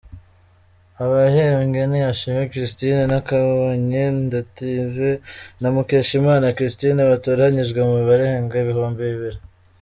Abahembwe ni Ashimwe Christine, Nakabonye Dative na Mukeshimana Christine; batoranyijwe mu barenga ibihumbi bibiri